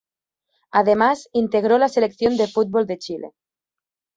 Además integró la Selección de fútbol de Chile.